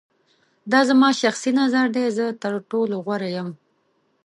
دا زما شخصی نظر دی. زه تر ټولو غوره یم.